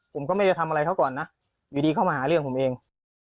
ผมก็ไม่ได้ทำอะไรเขาก่อนนะอยู่ดีเข้ามาหาเรื่องผมเอง